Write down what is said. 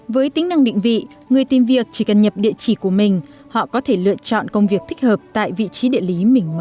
với tính năng định vị người tìm việc chỉ cần nhập địa chỉ của mình họ có thể lựa chọn công việc thích hợp tại vị trí địa lý